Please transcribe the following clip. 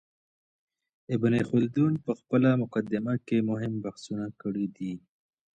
ابن خلدون په خپله مقدمه کي مهم بحثونه کړي دي.